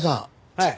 はい。